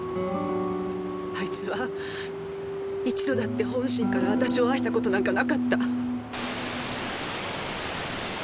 あいつは一度だって本心から私を愛した事なんかなかった。